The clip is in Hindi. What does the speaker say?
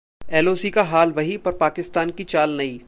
एलओसी का हाल वही पर पाकिस्तान की चाल नई